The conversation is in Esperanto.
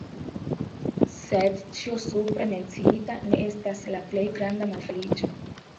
Sed ĉio supre menciita ne estas la plej granda malfeliĉo.